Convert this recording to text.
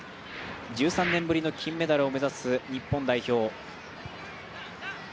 １３年ぶりの金メダルを目指す日本代表。